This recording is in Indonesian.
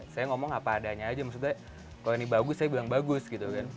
saya ngomong apa adanya aja maksudnya kalau ini bagus saya bilang bagus gitu kan